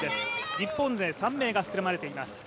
日本勢３名が含まれています。